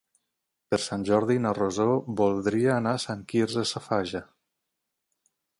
Per Sant Jordi na Rosó voldria anar a Sant Quirze Safaja.